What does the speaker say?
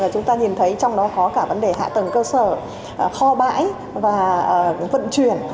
chúng ta nhìn thấy trong đó có cả vấn đề hạ tầng cơ sở kho bãi và vận chuyển